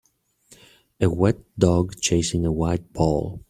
a wet dog chasing a white ball